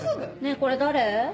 これ誰？